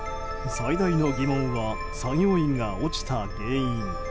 最大の疑問は作業員が落ちた原因。